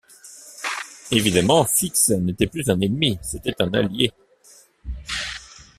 Évidemment Fix n’était plus un ennemi, c’était un allié.